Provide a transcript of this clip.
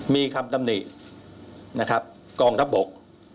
มีคำตำหนินะครับกองทัพบก